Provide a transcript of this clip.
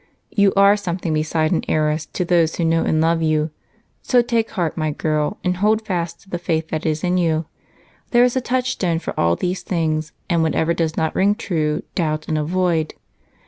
"You are something besides an heiress to those who know and love you, so take heart, my girl, and hold fast to the faith that is in you. There is a touchstone for all these things, and whatever does not ring true, doubt and avoid.